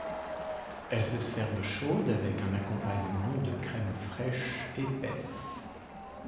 Elles se servent chaudes avec un accompagnement de crème fraîche épaisse.